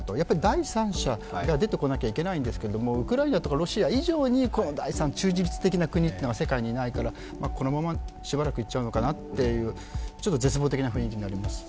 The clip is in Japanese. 第三者が出てこないといけないんですけどウクライナとかロシア以上に第三の中立的な国というのが世界にないから、このまましばらくいっちゃうのかなと、絶望的な雰囲気になっています。